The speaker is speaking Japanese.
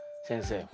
先生。